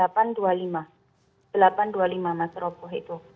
delapan ratus dua puluh lima mas roboh itu